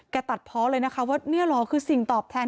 ตัดเพาะเลยนะคะว่านี่เหรอคือสิ่งตอบแทน